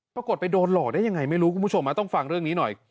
ปรากฏไปโดนหลอกได้ยังไงไม่รู้คุณผู้ชมต้องฟังเรื่องนี้หน่อย